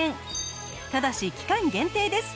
ただし期間限定です。